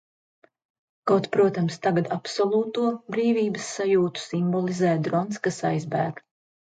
Kaut, protams, tagad absolūto brīvības sajūtu simbolizē drons, kas aizbēg.